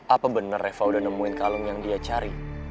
apa benar reva udah nemuin kalung yang dia cari